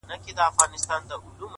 ښایسته ملکه سمه لېونۍ سوه.!